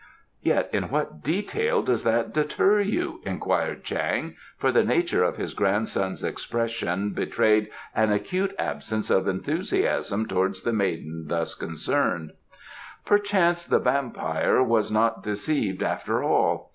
"Yet in what detail does that deter you?" inquired Chang, for the nature of his grandson's expression betrayed an acute absence of enthusiasm towards the maiden thus concerned. "Perchance the vampire was not deceived after all.